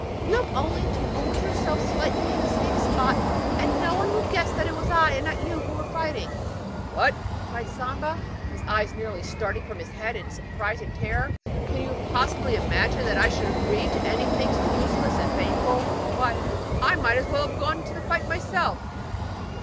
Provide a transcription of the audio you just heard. You have only got to wound yourself slightly in the same spot and no one will guess that it was I and not you who were fighting.' 'What!' cried Samba, his eyes nearly starting from his head in surprise and terror. 'Can you possibly imagine that I should agree to anything so useless and painful? Why, I might as well have gone to fight myself!'